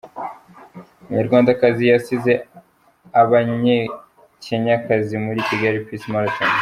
Umunyarwandakazi yasize abanyakenyakazi muri Kigali Peace Marathon .